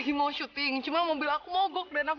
kayak yang main kancah